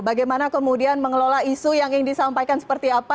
bagaimana kemudian mengelola isu yang disampaikan seperti apa